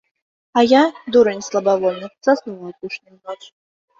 А я, дурань слабавольны, заснуў у апошнюю ноч.